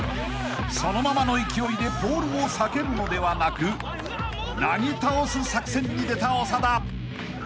［そのままの勢いでポールを避けるのではなくなぎ倒す作戦に出た長田］